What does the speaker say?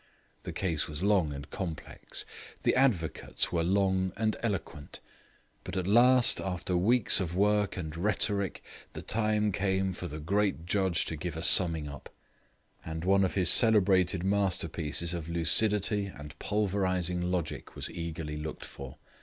The case was long and complex; the advocates were long and eloquent; but at last, after weeks of work and rhetoric, the time came for the great judge to give a summing up; and one of his celebrated masterpieces of lucidity and pulverizing logic was eagerly looked for.